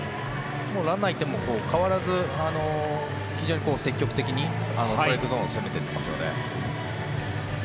ランナーがいても変わらず非常に積極的にストライクゾーンを攻めていってますよね。